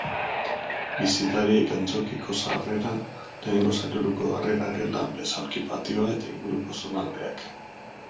Bisitariek antzokiko sarrera, lehenengo solairuko harrera-gela, besaulki-patioa eta inguruko zonaldeak.